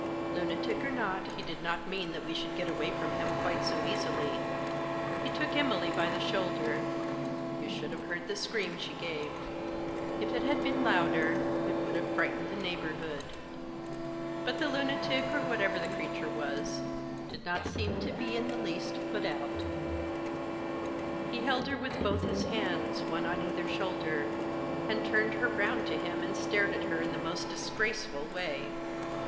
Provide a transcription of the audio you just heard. Lunatic or not, he did not mean that we should get away from him quite so easily. He took Emily by the shoulder — you should have heard the scream she gave ; if it had been louder it would have frightened the neighbourhood. But the lunatic, or whatever the creature was, did not seem to be in the least put out* Digitized by 12 THE JOSS. He held her with both his hands, one on either shoulder, and turned her round to him, and stared at her in the most disgraceful way.